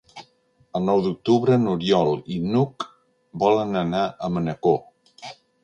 El nou d'octubre n'Oriol i n'Hug volen anar a Manacor.